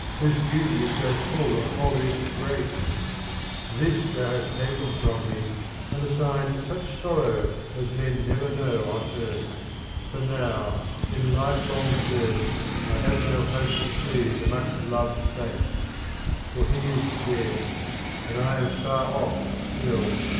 Whose beauty is so full of holiest grace ! This thou hast taken from me, and assigned ^ Such sorrow as men never know on earth; For now, in life long dearth, 1 have no hope to see the much loved face; For he is dead, and I am far off still.